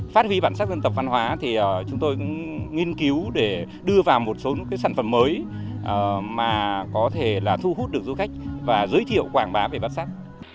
phát huy bản sắc dân tộc văn hóa thì chúng tôi cũng nghiên cứu để đưa vào một số sản phẩm mới mà có thể là thu hút được du khách và giới thiệu quảng bá về bản sắc